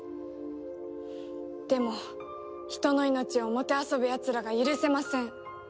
でも人の命をもてあそぶやつらが許せません。